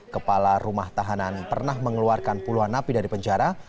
kepala rumah tahanan pernah mengeluarkan puluhan napi dari penjara